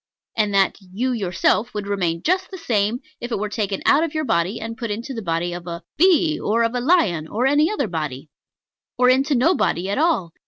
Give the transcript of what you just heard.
And that "you yourself" would remain just the same if it were taken out of your body, and put into the body of a bee, or of a lion, or any other body; or into no body at all.